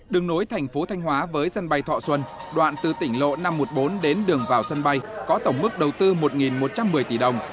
đường nối thành phố thanh hóa với sân bay thọ xuân đoạn từ tỉnh lộ năm trăm một mươi bốn đến đường vào sân bay có tổng mức đầu tư một một trăm một mươi tỷ đồng